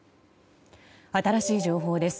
新しい情報です。